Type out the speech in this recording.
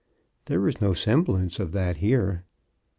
There was no semblance of that here.